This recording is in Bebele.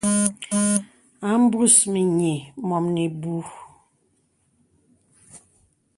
A mbus mìnyì mɔ̀m ìbùù.